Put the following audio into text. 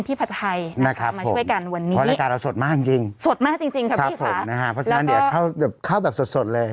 เพราะรายการเราสดมากจริงเข้าตลอดแบบสดเลย